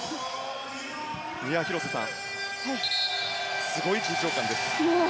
広瀬さん、すごい緊張感です。